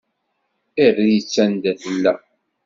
Err-itt anda tella.